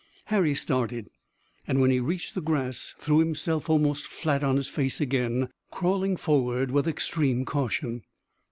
Harry started, and when he reached the grass threw himself almost flat on his face again, crawling forward with extreme caution.